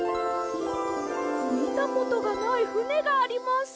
みたことがないふねがあります！